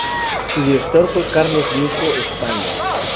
Su director fue Carlos Micó España.